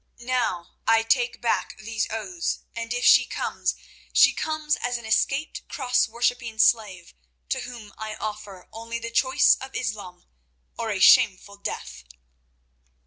Now I take back these oaths, and if she comes, she comes as an escaped Cross worshipping slave, to whom I offer only the choice of Islam or of a shameful death."